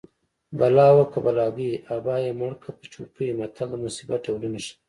بلا وه که بلاګۍ ابا یې مړکه په چوړکۍ متل د مصیبت ډولونه ښيي